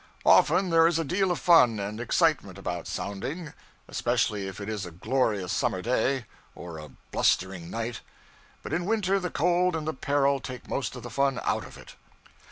Often there is a deal of fun and excitement about sounding, especially if it is a glorious summer day, or a blustering night. But in winter the cold and the peril take most of the fun out of it.